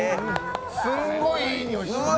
すっごいいいにおいします。